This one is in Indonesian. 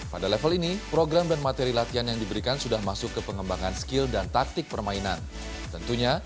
pada level ini program dan materi latihan yang diberikan sudah masuk ke pengembangan skill dan taktik permainan tentunya